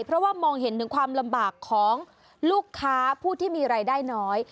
เพราะว่ามองเห็นถึงความลำบากของลูกค้าผู้ที่มีรายได้น้อย